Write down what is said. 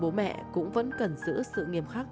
bố mẹ cũng vẫn cần giữ sự nghiêm khắc